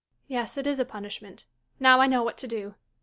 Yes, it is a punishment. Now I know what to do.